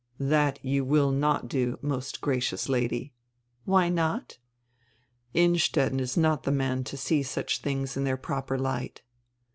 "That you will not do, most gracious Lady." "Why not?" "Innstetten is not the man to see such tilings in their proper light."